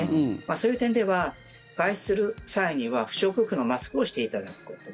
そういう点では、外出する際には不織布のマスクをしていただくこと。